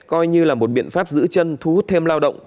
coi như là một biện pháp giữ chân thu hút thêm lao động